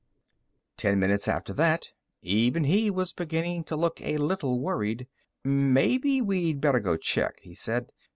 Ten minutes after that, even he was beginning to look a little worried. "Maybe we'd better go check," he said.